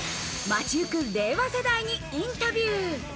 街ゆく令和世代にインタビュー。